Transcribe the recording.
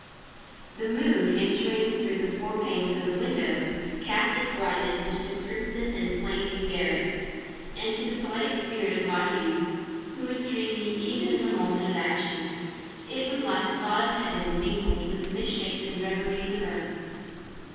The moon, entering through the four panes of the window, cast its whiteness into the crimson and flaming garret; and to the poetic spirit of Marius, who was dreamy even in the moment of action, it was like a thought of heaven mingled with the misshapen reveries of earth.